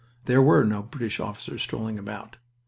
There were no British officers strolling about.